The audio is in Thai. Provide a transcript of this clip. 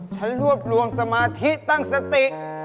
ฉันรวบรวมสมาธิตั้งสติ